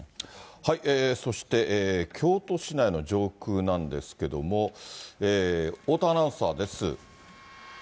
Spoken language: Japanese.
そして、京都市内の上空なんですけど、大田アナウンサーです。